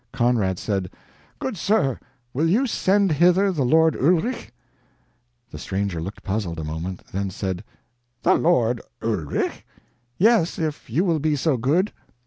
Conrad said: "Good sir, will you send hither the lord Ulrich?" The stranger looked puzzled a moment, then said: "The lord Ulrich?" "Yes if you will be so good."